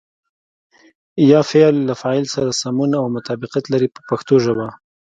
یا فعل له فاعل سره سمون او مطابقت لري په پښتو ژبه.